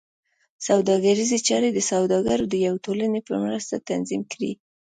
سوداګریزې چارې د سوداګرو د یوې ټولنې په مرسته تنظیم کړې.